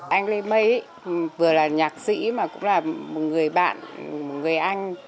anh lê mây vừa là nhạc sĩ mà cũng là một người bạn một người anh